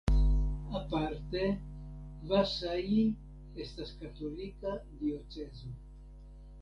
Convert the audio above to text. Aparte Vasai estas katolika diocezo.